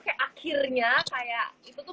kayak akhirnya kayak itu tuh